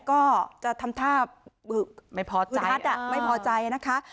ก็จะทำท่าไม่พอใจไม่พอใจนะคะ